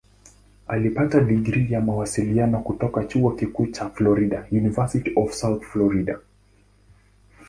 Alipata digrii ya Mawasiliano kutoka Chuo Kikuu cha Florida "University of South Florida".